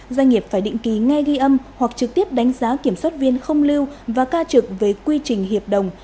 doanh nghiệp phải định ký nghe ghi âm hoặc trực tiếp đánh giá kiểm soát viên không lưu và ca trực về quy trình hiệp đồng